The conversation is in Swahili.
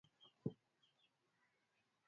Tanzania kuliko sehemu nyingine Afrika Mashariki Kwa